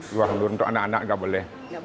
di bawah umur untuk anak anak tidak boleh